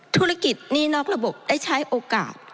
ธุรกิจหนี้นอกระบบได้ใช้โอกาส